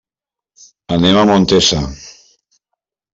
Anem a Montesa.